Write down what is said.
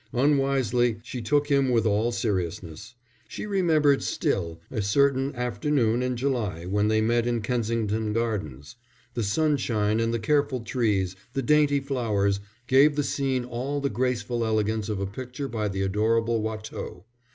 Unwisely, she took him with all seriousness. She remembered still a certain afternoon in July when they met in Kensington Gardens; the sunshine and the careful trees, the dainty flowers, gave the scene all the graceful elegance of a picture by the adorable Watteau.